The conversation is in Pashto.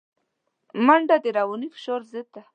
منډه د رواني فشار ضد ده